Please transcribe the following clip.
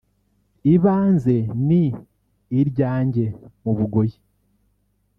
Ibanze ni irya njye mu Bugoyi